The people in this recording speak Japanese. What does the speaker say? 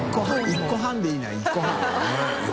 １個半でいいな１個半。